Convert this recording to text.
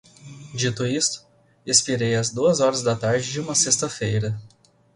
Dito isto, expirei às duas horas da tarde de uma sexta-feira